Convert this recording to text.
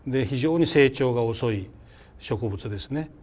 非常に成長が遅い植物ですね。